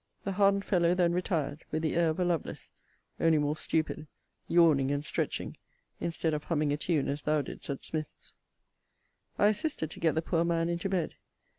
The hardened fellow then retired, with the air of a Lovelace; only more stupid; yawning and stretching, instead of humming a tune as thou didst at Smith's. I assisted to get the poor man into bed.